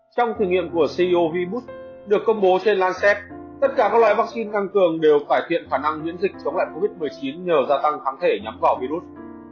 trong thử nghiệm của ceo vboot được công bố trên lancet tất cả các loại vắc xin tăng cường đều cải thiện khả năng diễn dịch chống lại covid một mươi chín nhờ gia tăng kháng thể nhắm vỏ virus